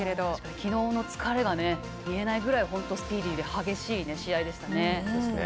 きのうの疲れが見えないぐらいスピーディーで激しい試合でしたね。